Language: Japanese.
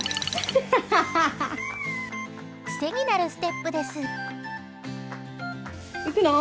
癖になるステップです。